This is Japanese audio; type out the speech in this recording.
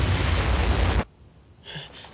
えっ？